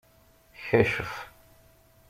Kacef.